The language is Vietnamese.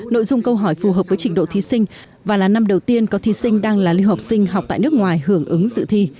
nội dung câu hỏi phù hợp với trình độ thí sinh và là năm đầu tiên có thí sinh đang là lưu học sinh học tại nước ngoài hưởng ứng dự thi